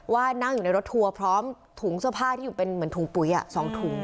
ว่านั่งอยู่ในรถทัวร์พร้อมถุงเสื้อผ้าที่อยู่เป็นเหมือนถุงปุ๋ย๒ถุง